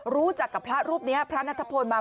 รู้จักกับพระรูปนี้พระนัทพลมา